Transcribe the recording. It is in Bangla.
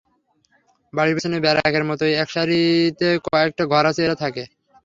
বাড়ির পিছনে ব্যারাকের মতো একসারিতে কয়েকটা ঘর আছে, এরা থাকে।